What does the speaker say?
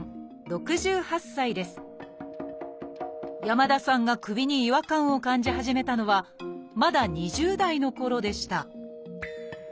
山田さんが首に違和感を感じ始めたのはまだ２０代のころでした